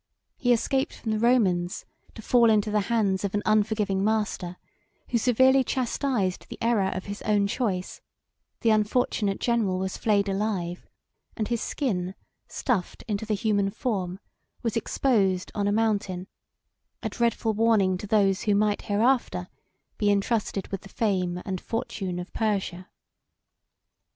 He escaped from the Romans to fall into the hands of an unforgiving master who severely chastised the error of his own choice: the unfortunate general was flayed alive, and his skin, stuffed into the human form, was exposed on a mountain; a dreadful warning to those who might hereafter be intrusted with the fame and fortune of Persia.